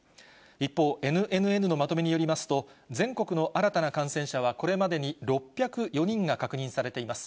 一方、ＮＮＮのまとめによりますと、全国の新たな感染者はこれまでに６０４人が確認されています。